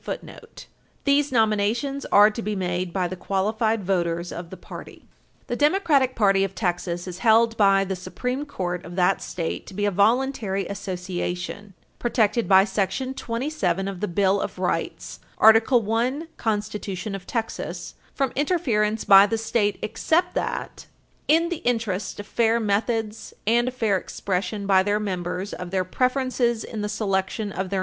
[Footnote 6] These nominations are to be made by the qualified voters of the party. Art. 3101. Page 321 U. S. 654 The Democratic Party of Texas is held by the Supreme Court of that state to be a "voluntary association," Bell v. Hill, 123 Tex. 531, 534, protected by § 27 of the Bill of Rights, Art. 1, Constitution of Texas, from interference by the state except that: "In the interest of fair methods and a fair expression by their members of their preferences in the selection of their Page 321 U.